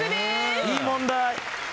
いい問題。